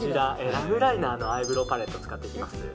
ラブ・ライナーのアイブローパレットを使っていきます。